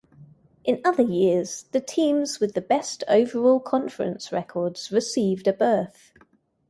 In other years, the teams with the best overall conference records received a berth.